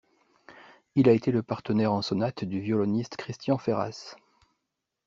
Il a été le partenaire en sonate du violoniste Christian Ferras.